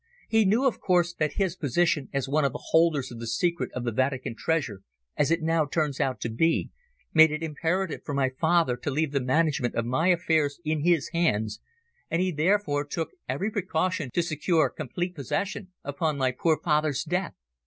He knew, of course, that his position as one of the holders of the secret of the Vatican treasure, as it now turns out to be, made it imperative for my father to leave the management of my affairs in his hands, and therefore he took every precaution to secure complete possession upon my poor father's death.